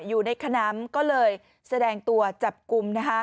อยู่ในขนำก็เลยแสดงตัวจับกลุ่ม